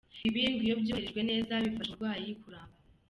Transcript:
Ibi ngo iyo byubahirijwe neza bifasha umurwayi kuramba.